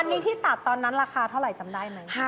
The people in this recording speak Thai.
อันนี้ที่ตัดตอนนั้นราคาเท่าไหร่จำได้ไหม